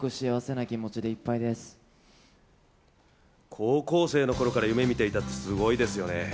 高校生の頃から夢見ていたってすごいですよね。